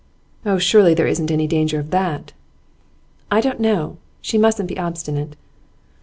'Oh, surely there isn't any danger of that?' 'I don't know, she mustn't be obstinate.